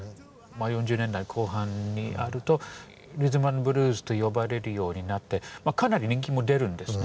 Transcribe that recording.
４０年代後半になるとリズム・アンド・ブルースと呼ばれるようになってかなり人気も出るんですね。